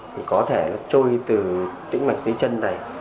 thì có thể nó trôi từ tĩnh mạch dưới chân này